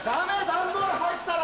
段ボール入ったら！